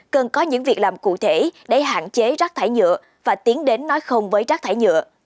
cần có những việc làm cụ thể để hạn chế rác thải nhựa và tiến đến nói không với rác thải nhựa